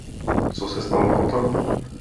Co se stalo potom?